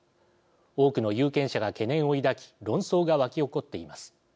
多くの有権者が懸念を抱き論争が沸き起こっています。